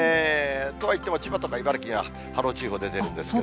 とはいっても、千葉とか茨城には、波浪注意報出てるんですけど。